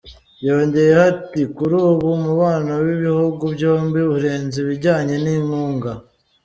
Yongeyeho ati ″Kuri ubu umubano w’ibihugu byombi urenze ibijyanye n’inkunga.